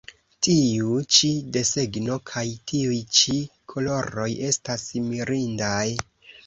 Tiu ĉi desegno kaj tiuj ĉi koloroj estas mirindaj!